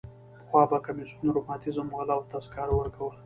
پخوا به کمیسیون رماتیزم والاوو ته سکاره ورکول.